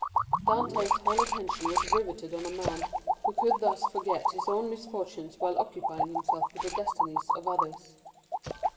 Dantès' whole attention was riveted on a man who could thus forget his own misfortunes while occupying himself with the destinies of others.